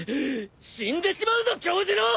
死んでしまうぞ杏寿郎！